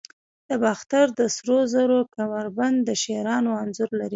د باختر د سرو زرو کمربند د شیرانو انځور لري